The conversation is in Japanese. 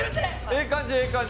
ええ感じええ感じ。